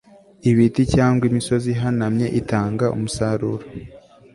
ibiti cyangwa imisozi ihanamye itanga umusaruro